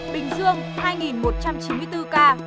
bình dương hai một trăm chín mươi bốn ca